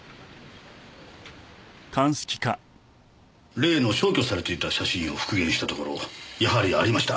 例の消去されていた写真を復元したところやはりありました。